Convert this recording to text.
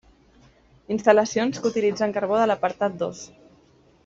Instal·lacions que utilitzen carbó de l'apartat dos.